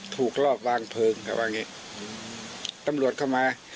ถูกรอบวางเผิงก็ว่าเงะตำรวจเข้ามา